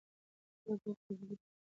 خلک به یې قبر ته درناوی کوي.